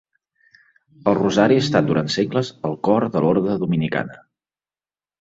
El Rosari ha estat durant segles el cor de l'Orde dominicana.